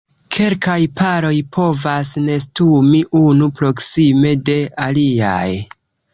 Kelkaj paroj povas nestumi unu proksime de aliaj.